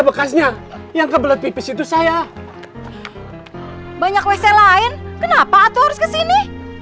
banyak wc lain kenapa atuh harus kesini